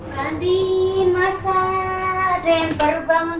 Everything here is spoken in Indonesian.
bandingin masa ada yang baru bangun